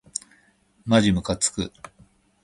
まじむかつく